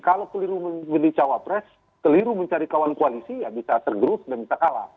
kalau keliru memilih cawapres keliru mencari kawan koalisi ya bisa tergerus dan bisa kalah